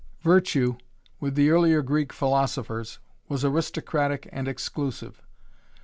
Virtue, with the earlier Greek philosophers, was aristocratic and exclusive.